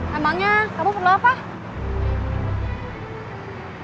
emangnya kamu perlu apa